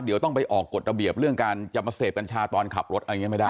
เดี๋ยวต้องไปออกกฎระเบียบเรื่องการจะมาเสพกัญชาตอนขับรถอะไรอย่างนี้ไม่ได้